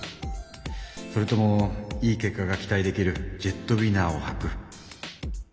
それともいい結果が期待できるジェットウィナーをはく。